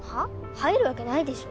入るわけないでしょ。